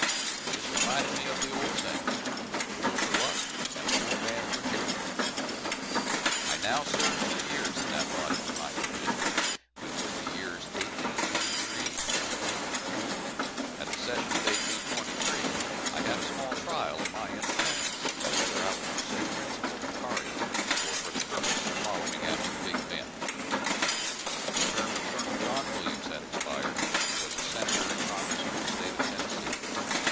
This reminded me of the old saying "A fool for luck, and a poor man for children." I now served two years in that body from my new district, which was the years 1823 and '24. At the session of 1823, I had a small trial of my independence, and whether I would forsake principle for party, or for the purpose of following after big men. The term of Col. John Williams had expired, who was a senator in Congress from the state of Tennessee.